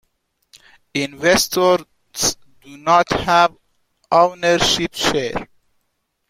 Investors do not have ownership share.